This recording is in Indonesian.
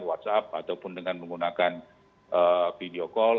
whatsapp ataupun dengan menggunakan video call